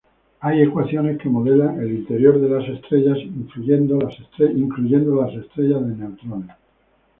Hay ecuaciones que modelan el interior de las estrellas, incluyendo las estrellas de neutrones.